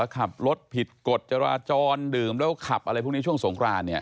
ขับรถผิดกฎจราจรดื่มแล้วขับอะไรพวกนี้ช่วงสงครานเนี่ย